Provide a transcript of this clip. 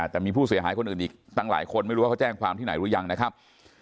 แต่มีผู้เสียหายคนอื่นอีกตั้งหลายคนไม่รู้ว่าเขาแจ้งความที่ไหนหรือยังนะครับ